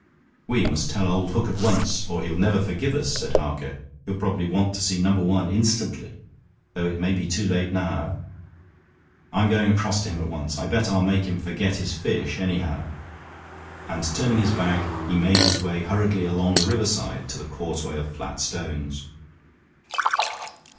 "We must tell old Hook at once, or he'll never forgive us," said Harker. "He'll probably want to see Number One instantly, though it may be too late now. I'm going across to him at once. I bet I'll make him forget his fish, anyhow." And, turning his back, he made his way hurriedly along the riverside to the causeway of flat stones.